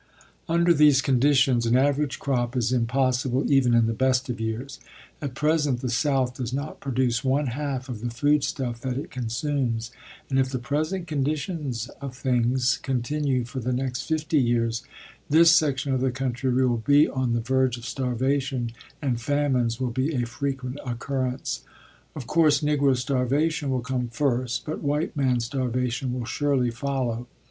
Under these conditions an average crop is impossible even in the best of years. At present the South does not produce one half of the foodstuff that it consumes and if the present conditions of things continue for the next fifty years, this section of the country will be on the verge of starvation and famines will be a frequent occurrence. Of course, Negro starvation will come first, but white man starvation will surely follow.